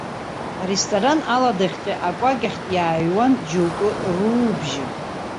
Аресторан аладахьтәи акәакь ахьтә иааҩуан џьоукы руубжьы.